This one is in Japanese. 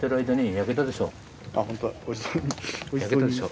焼けてるでしょ。